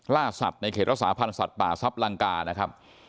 ล่าสัตว์ในเขตรักษาพันธ์สัตว์ป่าซับลังกานะครับ